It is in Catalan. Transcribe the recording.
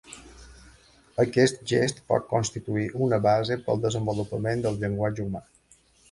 Aquest gest pot constituir una base pel desenvolupament del llenguatge humà.